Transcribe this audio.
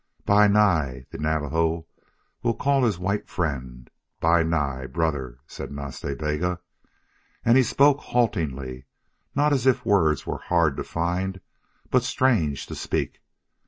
"Bi Nai! The Navajo will call his white friend Bi Nai brother," said Nas Ta Bega, and he spoke haltingly, not as if words were hard to find, but strange to speak.